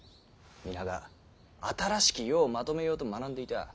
皆が新しき世をまとめようと学んでいた。